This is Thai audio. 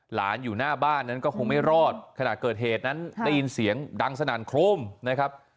อยู่หน้าบ้านนั้นก็คงไม่รอดขณะเกิดเหตุนั้นได้ยินเสียงดังสนั่นโครมนะครับ